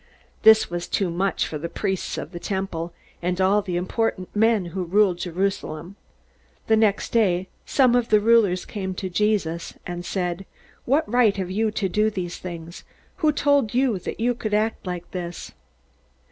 This was too much for the priests of the temple, and all the important men who ruled Jerusalem. The next day some of the rulers came to Jesus and said: "What right have you to do these things? Who told you that you could act like this?"